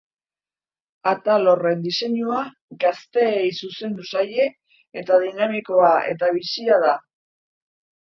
Atal horren diseinua gazteei zuzendu zaie eta dinamikoa eta bizia da.